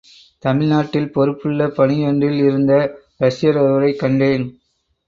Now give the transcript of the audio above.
தமிழ்நாட்டில் பொறுப்புள்ள பணியொன்றில் இருந்த இரஷியர் ஒருவரைக் கண்டேன்.